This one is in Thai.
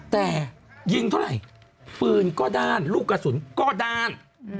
แต่ยิงเท่าไหร่ปืนก็ด้านลูกกระสุนก็ด้าน